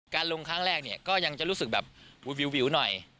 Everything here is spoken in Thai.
การลงครั้งแรกก็ยังจะรู้สึกแบบวิวหน่อย